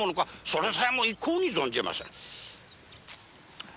それさえも存じません。